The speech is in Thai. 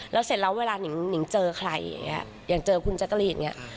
แล้วเสร็จแล้วเวลานิ่งเจอใครอย่างเงี้ยอย่างเจอคุณแจ๊กกะรีนอย่างนี้